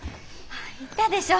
言ったでしょ。